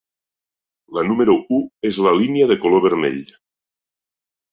La número u és la línia de color vermell.